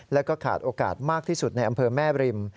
แล้วก็ขาดโอกาสมากที่สุดในอำเภอแม่บริม